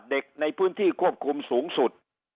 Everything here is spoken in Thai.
เด็กในพื้นที่ควบคุมสูงสุด